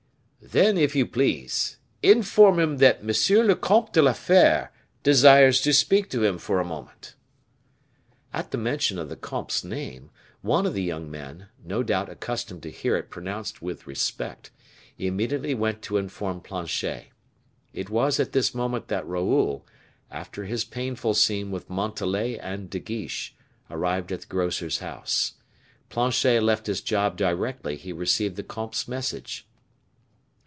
"Then, if you please, inform him that M. le Comte de la Fere desires to speak to him for a moment." At the mention of the comte's name, one of the young men, no doubt accustomed to hear it pronounced with respect, immediately went to inform Planchet. It was at this moment that Raoul, after his painful scene with Montalais and De Guiche, arrived at the grocer's house. Planchet left his job directly he received the comte's message.